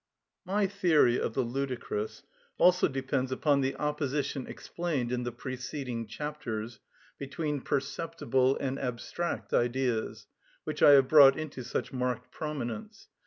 My theory of the ludicrous also depends upon the opposition explained in the preceding chapters between perceptible and abstract ideas, which I have brought into such marked prominence.